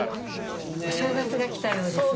お正月が来たようですね。